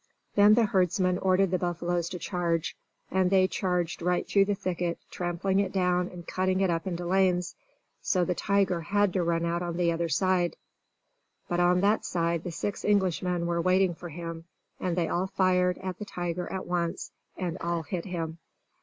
Then the herdsman ordered the buffaloes to charge, and they charged right through the thicket, trampling it down and cutting it up into lanes; so the tiger had to run out on the other side. But on that side the six Englishmen were waiting for him; and they all fired at the tiger at once, and all hit him.